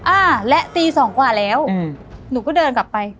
อ่าและตีสองกว่าแล้วหนูก็เดินกลับไป